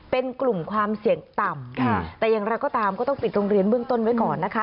เป็นกลุ่มความเสี่ยงต่ำค่ะแต่อย่างไรก็ตามก็ต้องปิดโรงเรียนเบื้องต้นไว้ก่อนนะคะ